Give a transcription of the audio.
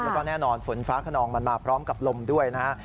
แล้วก็แน่นอนฝนฟ้าขนองมันมาพร้อมกับลมด้วยนะฮะ